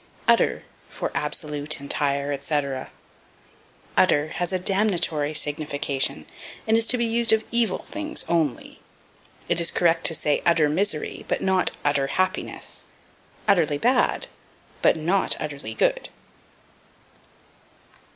Utter for Absolute, Entire, etc. Utter has a damnatory signification and is to be used of evil things only. It is correct to say utter misery, but not "utter happiness;" utterly bad, but not "utterly good."